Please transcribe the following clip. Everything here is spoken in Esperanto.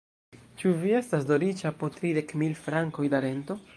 Ĉu vi estas do riĉa po tridek mil frankoj da rento?